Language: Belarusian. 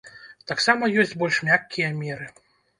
Таксама ёсць больш мяккія меры.